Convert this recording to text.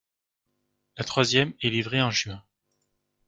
La troisième est livrée en juin.